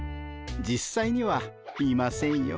実際にはいませんよ。